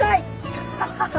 アハハハ！